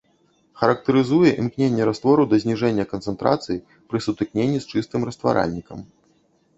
Характарызуе імкненне раствору да зніжэння канцэнтрацыі пры сутыкненні з чыстым растваральнікам.